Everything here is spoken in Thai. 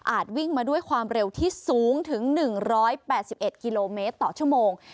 วิ่งมาด้วยความเร็วที่สูงถึง๑๘๑กิโลเมตรต่อชั่วโมง